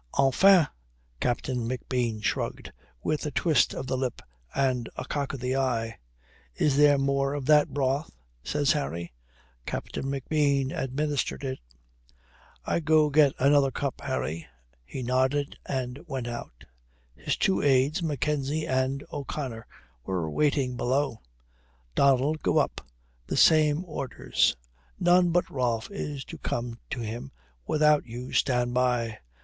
"Enfin." Captain McBean shrugged, with a twist of the lip and a cock of the eye. "Is there more of that broth?" says Harry. Captain McBean administered it. "I go get another cup, Harry." He nodded and went out. His two aides, Mackenzie and O'Connor, were waiting below. "Donald, go up. The same orders. None but Rolfe is to come to him without you stand by.